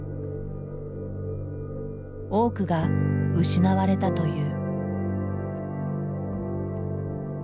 多くが失われたという。